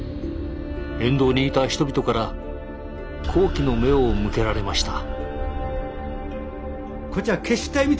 沿道にいた人々から好奇の目を向けられました。